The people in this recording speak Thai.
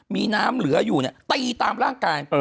มีน้ำเหลืออยู่เนี่ยตีตามร่างกาย